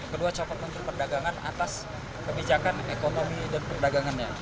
kedua copot menteri perdagangan atas kebijakan ekonomi dan perdagangannya